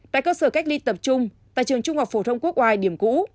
tại cơ sở cách ly tập trung tại trường trung học phổ thông quốc hoài điểm cũ